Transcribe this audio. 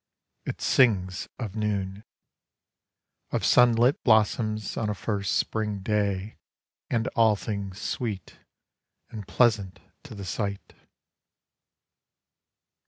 It sings of noon. Of sunlit blossoms on a first spring day And all things sweet, and pleasant to the sight.